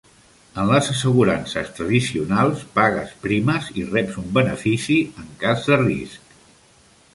En les assegurances tradicionals, pagues primes i reps un benefici en cas de risc.